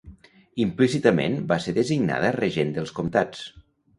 Implícitament va ser designada regent dels comtats.